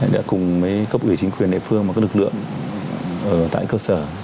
đã cùng với cấp ủy chính quyền địa phương và các lực lượng ở tại cơ sở